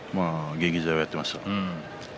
現役時代はやっていました。